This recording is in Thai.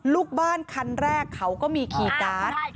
ลูกบ้านคันแรกเขาก็มีคีย์การ์ด